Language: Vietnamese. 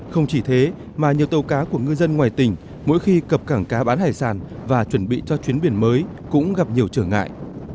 không chỉ thế mà nhiều tàu cá của ngư dân ngoài tỉnh mỗi khi cập cảng cá bán hải sản và chuẩn bị cho chuyến biển mới cũng gặp nhiều trở ngại